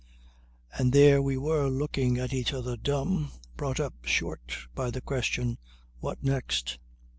And there we were looking at each other, dumb, brought up short by the question "What next?"